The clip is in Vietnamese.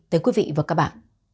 tới quý vị và các bạn